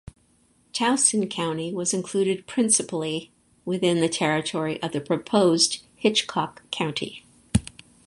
Towson County was included principally within the territory of the proposed Hitchcock County.